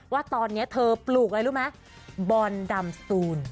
ว่าตอนนี้เธอปลูกอะไรรู้ไหมบอนดำสตูน